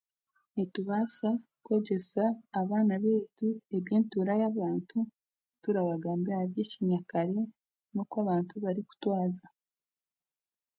Nitubaasa kwegyesa abaana beitu eby'entuura y'abaantu turabagambira aha byekinyakare n'okwa abantu barikutwaza.